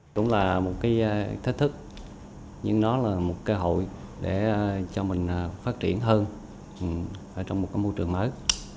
cũng là một cái thách thức nhưng nó là một cơ hội để cho mình phát triển hơn trong một cái môi trường mới